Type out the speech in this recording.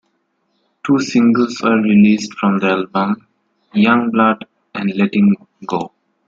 Two singles were released from the album: "Young Blood" and "Letting' Go".